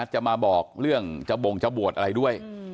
จะมาบอกเรื่องจะบ่งจะบวชอะไรด้วย